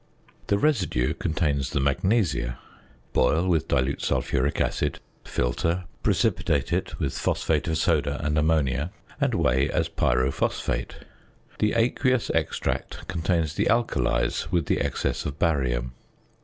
The residue contains the magnesia; boil with dilute sulphuric acid, filter, precipitate it with phosphate of soda and ammonia, and weigh as pyrophosphate. The aqueous extract contains the alkalies with the excess of barium.